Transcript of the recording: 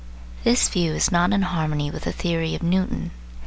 This view is not in harmony with the theory of Newton.